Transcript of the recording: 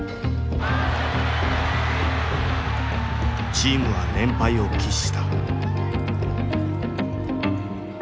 チームは連敗を喫した。